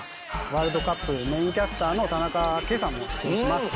ワールドカップメインキャスターの田中圭さんも出演します。